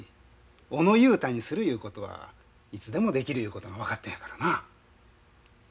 小野雄太にするゆうことはいつでもできるゆうことが分かったんやからな。